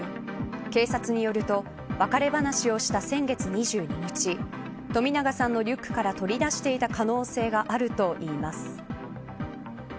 警察によると別れ話をした先月２２日冨永さんのリュックから取り出していた可能性があるといいます。